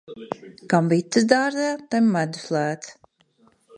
Kam bites dārzā, tam medus lēts.